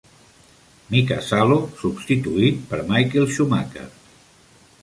Mika Salo substituït per Michael Schumacher.